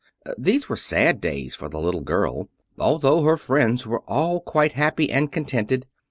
These were sad days for the little girl, although her friends were all quite happy and contented.